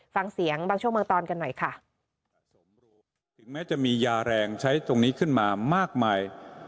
ฟังเสียงบางช่วงบางตอนกันหน่อยค่ะถึงแม้จะมียาแรงใช้ตรงนี้ขึ้นมามากมาย